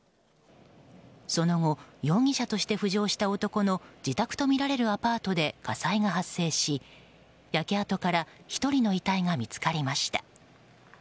その後、容疑者として浮上した男の自宅とみられるアパートで火災が発生し、焼け跡から１人の遺体が見つかりました。